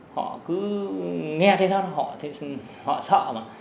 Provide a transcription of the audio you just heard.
họ cứ nghe thế thôi họ sợ mà